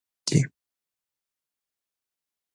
چې یو ئي مخلوقاتو ته نعمتونه ورکړي دي